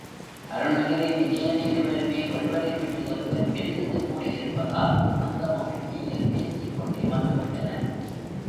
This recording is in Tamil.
அருணகிரி, விஜயன் இருவருமே ஒருவரை விட்டு ஒருவர் பிரிந்து கூடியிருப்பதால் அந்த மகிழ்ச்சியில் பேசிக்கொண்டே வந்து விட்டனர்.